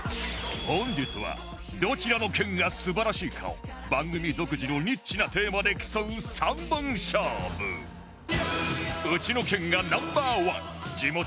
本日はどちらの県が素晴らしいかを番組独自のニッチなテーマで競う３本勝負スタート！